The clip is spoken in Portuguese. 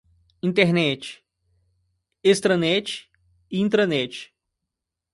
Internet, extranet e intranet